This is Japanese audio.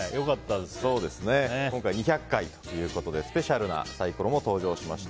今回２００回ということでスペシャルなサイコロも登場しました。